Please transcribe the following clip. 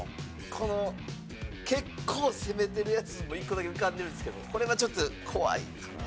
この結構攻めてるやつ１個だけ浮かんでるんですけどこれはちょっと怖いかな。